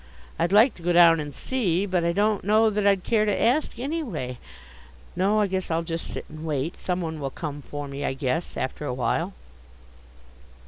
I'd like to go down and see, but I don't know that I'd care to ask, anyway. No, I guess I'll just sit and wait. Some one will come for me, I guess, after a while.